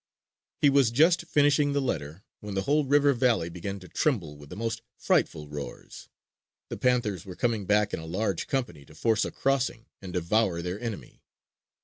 He was just finishing the letter when the whole river valley began to tremble with the most frightful roars. The panthers were coming back in a large company to force a crossing and devour their enemy.